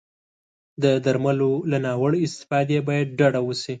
د درملو له ناوړه استفادې باید ډډه وشي.